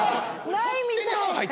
ないみたい。